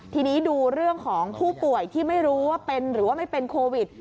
ทีนี้ดูเรื่องของผู้ป่วยที่ไม่รู้ว่าเป็นหรือว่าไม่เป็นโควิด